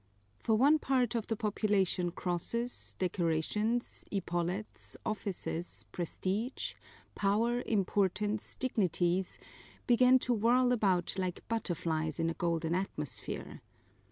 For one part of the population crosses, decorations, epaulets, offices, prestige, power, importance, dignities began to whirl about like butterflies in a golden atmosphere.